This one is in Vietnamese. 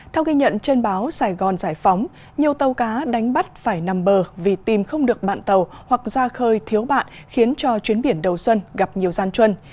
theo ghi nhận trên báo sài gòn giải phóng nhiều tàu cá đánh bắt phải nằm bờ vì tìm không được bạn tàu hoặc ra khơi thiếu bạn khiến cho chuyến biển đầu xuân gặp nhiều gian chuân